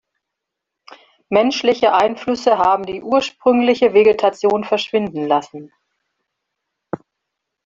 Menschliche Einflüsse haben die ursprüngliche Vegetation verschwinden lassen.